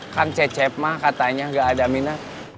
kan cecep mah katanya gak ada minat